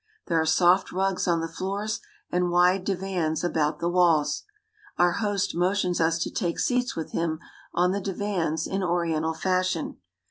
There are soft rugs on the floors and wide divans about the walls. Our host motions us to take seats with him on the divans in Oriental fashion.